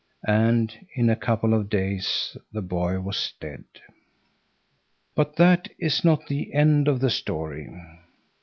And in a couple of days the boy was dead. But that is not the end of his story.